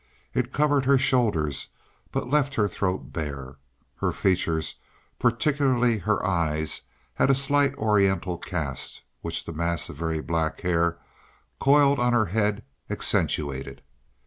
It covered her shoulders, but left her throat bare. Her features, particularly her eyes, had a slight Oriental cast, which the mass of very black hair coiled on her head accentuated.